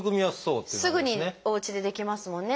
すぐにおうちでできますもんね。